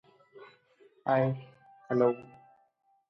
Spider-Man manages to defeat all of them and save the world.